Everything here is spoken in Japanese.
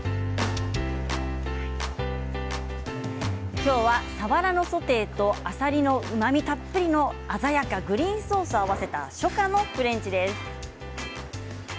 きょうはさわらのソテーとあさりのうまみたっぷりの鮮やかグリーンソースを合わせた初夏のフレンチです。